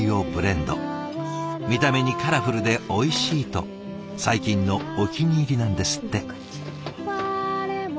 見た目にカラフルでおいしいと最近のお気に入りなんですって。